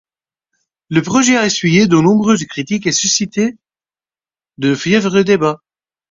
Le projet a essuyé de nombreuses critiques et suscité de fiévreux débats.